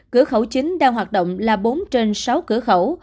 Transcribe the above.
cửa khẩu chính đang hoạt động là bốn trên sáu cửa khẩu